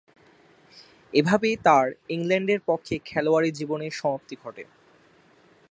এভাবেই তার ইংল্যান্ডের পক্ষে খেলোয়াড়ী জীবনের সমাপ্তি ঘটে।